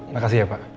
makasih ya pak